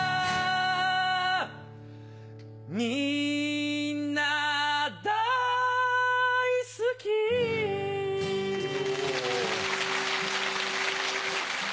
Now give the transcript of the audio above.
みんな大好きお。